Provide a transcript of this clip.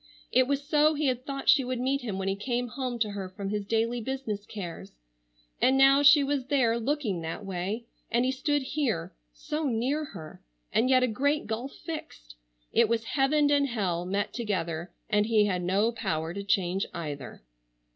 It was so he had thought she would meet him when he came home to her from his daily business cares. And now she was there, looking that way, and he stood here, so near her, and yet a great gulf fixed! It was heaven and hell met together, and he had no power to change either.